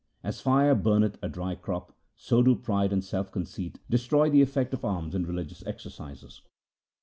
As fire burneth a dry crop, so do pride and self conceit destroy the effect of alms and religious exercises.